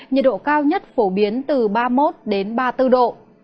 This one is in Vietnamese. nhiệt độ cao nhất phổ biến từ ba mươi một ba mươi bốn độ